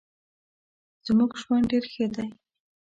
زمونږ ژوند ډیر ښه دې